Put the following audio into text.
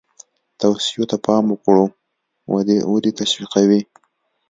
توصیو ته پام وکړو ودې تشویقوي.